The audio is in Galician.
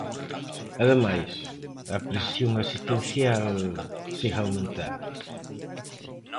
Ademais, a presión asistencial segue a aumentar.